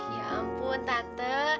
ya ampun tante